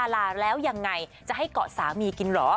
ลาแล้วยังไงจะให้เกาะสามีกินเหรอ